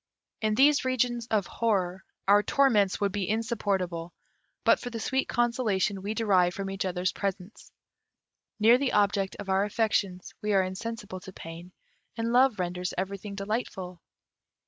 In these regions of horror our torments would be insupportable, but for the sweet consolation we derive from each other's presence. Near the object of our affections, we are insensible to pain, and love renders everything delightful.